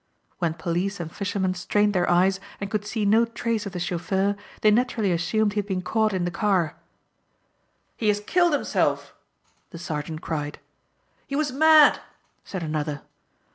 When police and fishermen strained their eyes and could see no trace of the chauffeur they naturally assumed he had been caught in the car. "He has killed himself!" the sergeant cried. "He was mad!" said another.